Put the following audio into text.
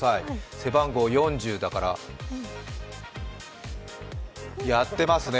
背番号４０だから、やってますね。